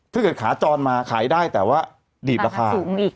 ถ้าเกิดขาจรมาขายได้แต่ว่าดีบราคา